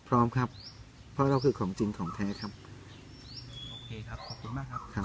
พร้อมครับเพราะเราคือของจริงของแท้ครับโอเคครับขอบคุณมากครับครับ